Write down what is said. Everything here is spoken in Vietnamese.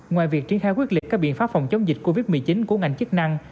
ngoài việc triển khai quyết liệt các biện pháp phòng chống dịch covid một mươi chín của ngành chức năng